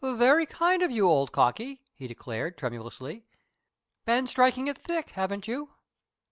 "Very kind of you, old cocky," he declared, tremulously. "Been striking it thick, haven't you?"